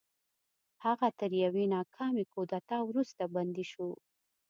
هغه تر یوې ناکامې کودتا وروسته بندي شو.